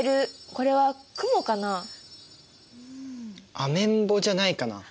アメンボじゃないかな？